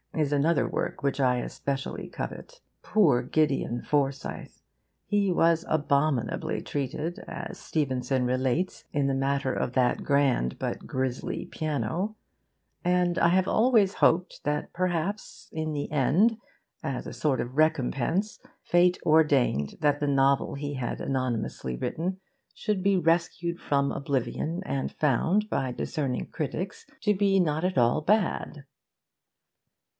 is another work which I especially covet. Poor Gideon Forsyth! He was abominably treated, as Stevenson relates, in the matter of that grand but grisly piano; and I have always hoped that perhaps, in the end, as a sort of recompense, Fate ordained that the novel he had anonymously written should be rescued from oblivion and found by discerning critics to be not at all bad.